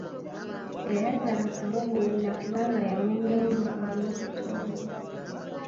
Teyayagala kumubuulira kubanga yamunyooma olw’obuto bwe.